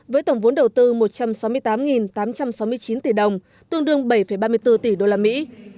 với tổng vốn đầu tư một trăm sáu mươi tám tám trăm sáu mươi chín tỷ đồng tương đương bảy ba mươi bốn tỷ đô la mỹ